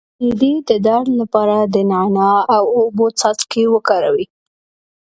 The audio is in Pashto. د معدې د درد لپاره د نعناع او اوبو څاڅکي وکاروئ